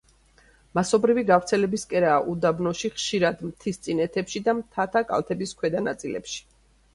მასობრივი გავრცელების კერაა უდაბნოში, ხშირად მთისწინეთებში და მთათა კალთების ქვედა ნაწილებში.